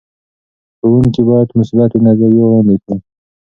ښوونکي باید مثبتې نظریې وړاندې کړي.